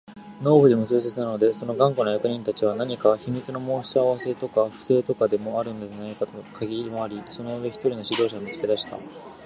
農夫にも痛切なので、その頑固な役人たちは何か秘密の申し合せとか不正とかでもあるのではないかとかぎ廻り、その上、一人の指導者を見つけ出した